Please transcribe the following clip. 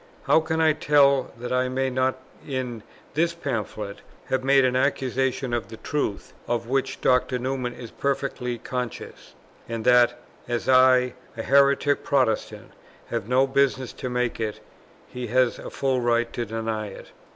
... How can I tell, that I may not in this Pamphlet have made an accusation, of the truth of which Dr. Newman is perfectly conscious; but that, as I, a heretic Protestant, have no business to make it, he has a full right to deny it?"